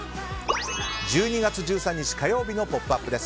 １２月１３日、火曜日の「ポップＵＰ！」です。